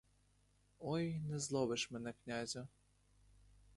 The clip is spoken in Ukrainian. Ой, не зловиш мене, князю!